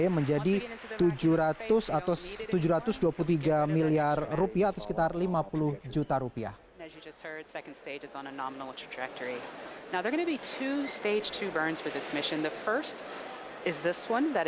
setelah ditutup akan berlapis selama delapan belas menit sebelum menghidupkan ekwator